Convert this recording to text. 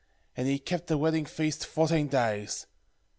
8:19 And he kept the wedding feast fourteen days.